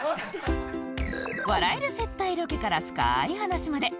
笑える接待ロケから深い話まで